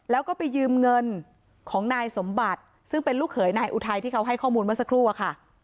แล้วก็ไปยืมเงินของนายสมบัติซึ่งเป็นลูกเขยนายอุทัยที่เขาให้ข้อมูลเมื่อสักครู่อะค่ะ